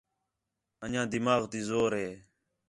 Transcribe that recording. اَن٘ڄیاں دِِماغ تی زور ہے